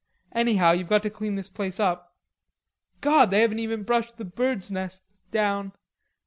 Anyhow you've got to clean this place up. God, they haven't even brushed the birds' nests down!